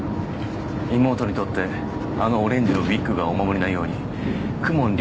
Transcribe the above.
妹にとってあのオレンジのウィッグがお守りなように公文竜